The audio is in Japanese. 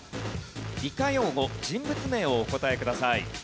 理科用語・人物名をお答えください。